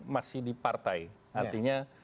masih di partai artinya